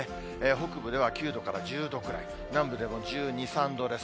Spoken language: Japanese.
北部では９度から１０度くらい、南部でも１２、３度です。